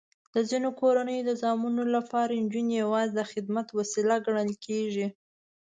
د ځینو کورنیو د زامنو لپاره نجونې یواځې د خدمت وسیله ګڼل کېږي.